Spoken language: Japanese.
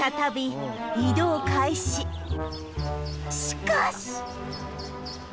しかし